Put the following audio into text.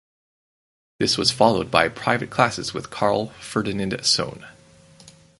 This was followed by private classes with Karl Ferdinand Sohn.